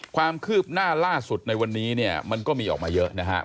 ความคืบหน้าล่าสุดในวันนี้เนี่ยมันก็มีออกมาเยอะนะครับ